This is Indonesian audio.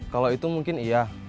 kalau itu mungkin iya